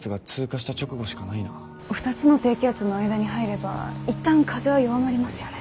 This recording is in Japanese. ２つの低気圧の間に入れば一旦風は弱まりますよね？